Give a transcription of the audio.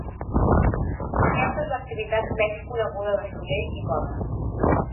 Aquesta és l’activitat menys coneguda de Soler i Godes.